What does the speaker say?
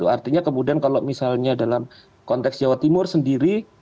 artinya kemudian kalau misalnya dalam konteks jawa timur sendiri